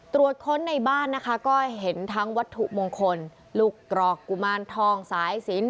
ตรวจค้นในบ้านนะคะก็เห็นทั้งวัตถุมงคลลูกกรอกกุมารทองสายสิน